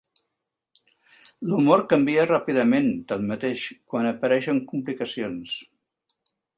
L'humor canvia ràpidament, tanmateix, quan apareixen complicacions.